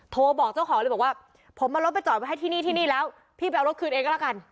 โทรบอกเจ้าของเลยบอกว่าผมเอารถไปจอดไว้ให้ที่นี่ที่นี่แล้วพี่ไปเอารถคืนเองก็แล้วกัน